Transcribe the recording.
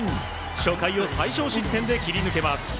初回を最少失点で切り抜けます。